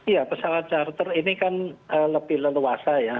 ya pesawat charter ini kan lebih leluasa ya